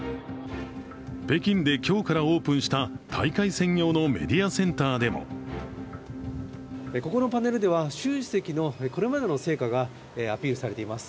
北京で今日からオープンした大会専用のメディアセンターでもここのパネルでは、習主席のこれまでの成果がアピールされています。